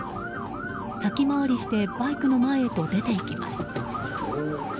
先回りしてバイクの前へと出て行きます。